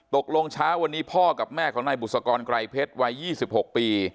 เช้าวันนี้พ่อกับแม่ของนายบุษกรไกรเพชรวัย๒๖ปี